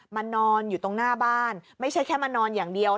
นอนอยู่ตรงหน้าบ้านไม่ใช่แค่มานอนอย่างเดียว